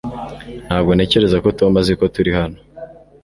Ntabwo ntekereza ko Tom azi ko turi hano